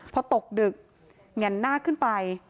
พอตกดึกแง่นหน้าขึ้นไป